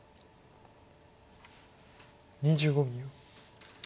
２５秒。